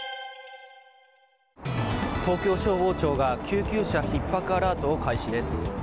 東京消防庁が救急車ひっ迫アラートを開始です。